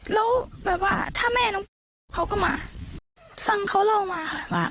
แล้วแบบว่าถ้าแม่ของเขาก็มาสั่งเค้าเรามา